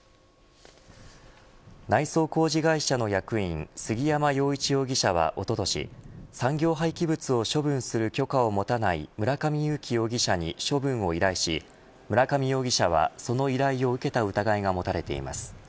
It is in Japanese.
内装工事会社の役員杉山洋一容疑者はおととし産業廃棄物を処分する許可を持たない村上勇樹容疑者に処分を依頼し村上容疑者はその依頼を受けた疑いが持たれています。